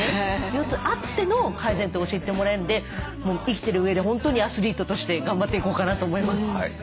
腰痛あっての改善点教えてもらえるんで生きてるうえで本当にアスリートとして頑張っていこうかなと思います。